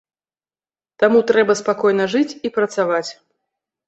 Таму трэба спакойна жыць і працаваць.